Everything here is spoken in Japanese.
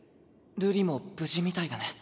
瑠璃も無事みたいだね。